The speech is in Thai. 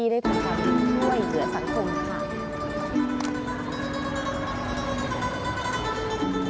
ด้วยเหลือสังคมค่ะ